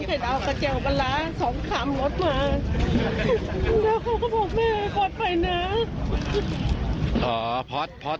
พ่อเกลียดกระเจ๋วกาละ๒คัมบอสมา